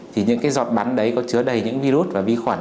thì những cái giọt bắn đấy có chứa đầy những virus và vi khuẩn